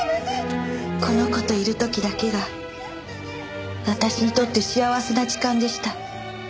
この子といる時だけが私にとって幸せな時間でした。